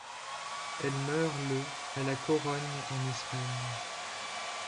Elle meurt le à La Corogne en Espagne.